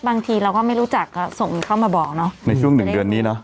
บางทีเราก็ไม่รู้จักเราส่งเขามาบอกในช่วงหนึ่งเดือนนี้